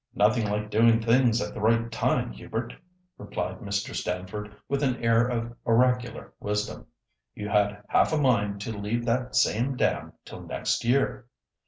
"Nothing like doing things at the right time, Hubert," replied Mr. Stamford, with an air of oracular wisdom. "You had half a mind to leave that same dam till next year."